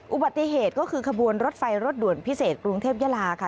อุบัติเหตุก็คือขบวนรถไฟรถด่วนพิเศษกรุงเทพยาลาค่ะ